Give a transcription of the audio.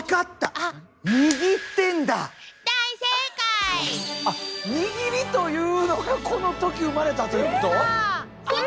あっ握りというのがこの時生まれたということ？